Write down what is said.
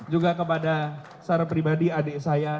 juga kepada secara pribadi adik saya